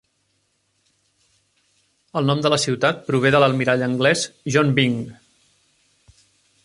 El nom de la ciutat prové de l'almirall anglès John Byng.